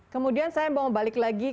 kemudian saya mau balik lagi